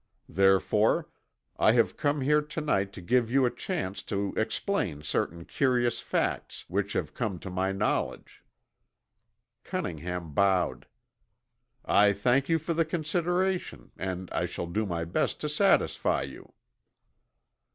Therefore, I have come here to night to give you a chance to explain certain curious facts which have come to my knowledge." Cunningham bowed. "I thank you for the consideration, and I shall do my best to satisfy you."